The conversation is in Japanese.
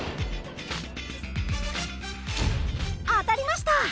当たりました！